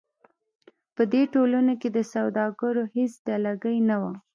په دې ټولنو کې د سوداګرو هېڅ ډلګۍ نه وه.